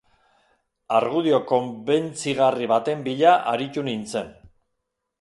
Argudio kon-bentzigarri baten bila aritu nintzen.